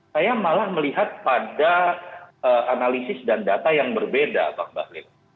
saya malah melihat pada analisis dan data yang berbeda pak bahlim